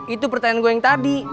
itu pertanyaan gue yang tadi